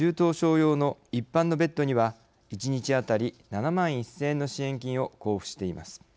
用の一般のベッドには１日当たり７万１０００円の支援金を交付しています。